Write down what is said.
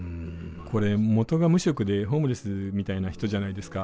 これ元が無職でホームレスみたいな人じゃないですか。